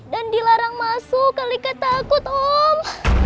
dan dilarang masuk alika takut om